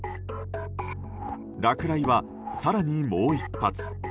落雷は更にもう一発。